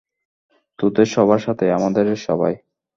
তোদের সবার সাথে, আমাদের সবাই।